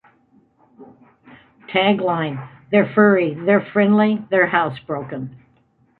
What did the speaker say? Tagline: "They're furry, they're friendly, they're housebroken"